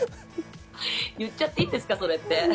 言っちゃっていいんですかそれって。